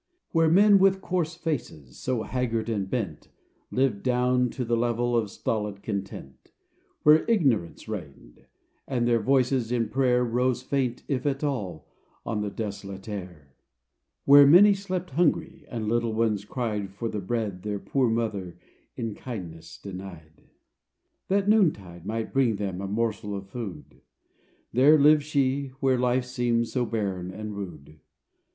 Where men with coarse faces, so haggard and bent, Lived down to the level of stolid content ; Where Ignorance reigned, and their voices in prayer, Rose faint, if at all, on the desolate' air ! Where many slept hungry, and little ones cried For the bread their poor Mother in kindness denied, That noontide might bring them a morsel of food ; There lived she, where Life seemed so barren and rude.